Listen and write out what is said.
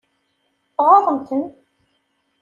Tɣaḍemt-ten?